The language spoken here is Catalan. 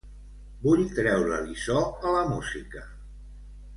Vull treure-li so a la música.